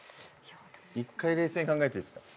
１回冷静に考えていいですか？